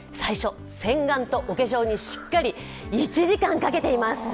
洗顔とお化粧にしっかり１時間かけています。